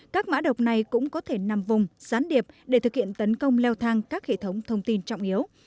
các mã độc này cũng có thể nằm vùng sán điệp để thực hiện tấn công leo thang các hệ thống thông tin trọng yếu